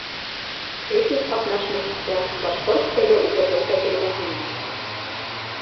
Этник ҡатнаш мөхиттә башҡорт теле уҡытыу тәжрибәһенән